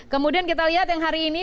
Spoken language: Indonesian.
kemudian kita lihat yang hari ini